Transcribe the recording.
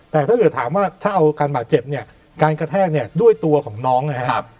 ถ้าเอาการบาดเจ็บเนี่ยการกระแทกเนี่ยด้วยตัวของน้องนะครับ